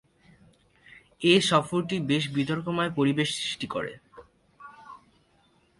এ সফরটি বেশ বিতর্কময় পরিবেশ সৃষ্টি করে।